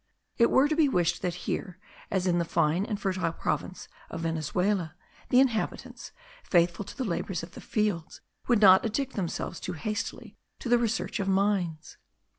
It were to be wished that here, as in the fine and fertile province of Venezuela, the inhabitants, faithful to the labours of the fields, would not addict themselves too hastily to the research of mines.